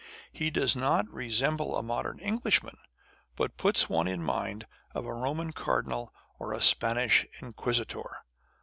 He does not resemble a modern Englishman, but puts one in mind of a Roman cardinal or a Spanish inquisitor.